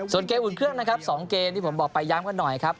ส่วนเกมอุ่นเครื่องนะครับ๒เกมที่ผมบอกไปย้ำกันหน่อยครับ